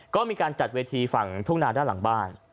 ก็มีการจัดเวทีฝั่งทุ่งนาด้านหลังบ้าน